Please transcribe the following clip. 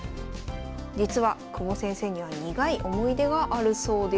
実は久保先生には苦い思い出があるそうです。